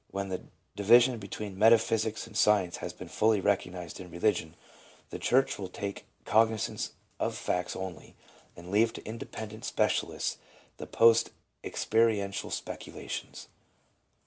When the division between metaphysics and science has been fully recognized in Eeligion, the church will take cognizance of facts only, and leave to independent specialists the post experiential specu lations.